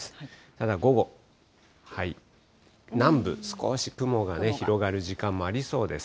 ただ午後、南部、少し雲が広がる時間もありそうです。